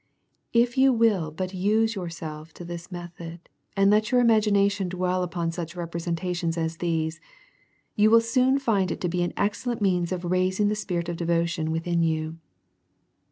If you will but use yourself to this method, and let your imagination dwell among such representations as these, you will soon find it an excellent means of rais ing the spirit of devotion within you.